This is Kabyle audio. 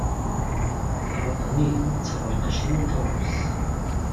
Taɣaṭ-nni taberquct am uṭarus.